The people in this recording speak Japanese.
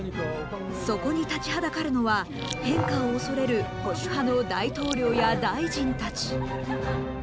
そこに立ちはだかるのは変化を恐れる保守派の大統領や大臣たち。